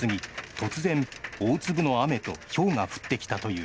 突然、大粒の雨とひょうが降ってきたという。